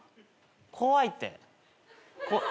怖いって。